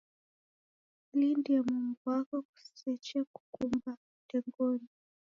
Kulindie momu ghwako ghusechekukumba ndengonyi.